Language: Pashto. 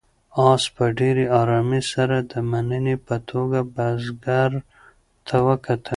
آس په ډېرې آرامۍ سره د مننې په توګه بزګر ته وکتل.